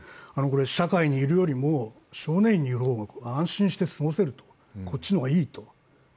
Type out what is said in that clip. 社会にいるよりも少年院にいる方が安心して過ごせる、こっちの方がいいと。